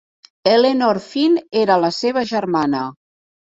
Ellenor Fenn era la seva germana.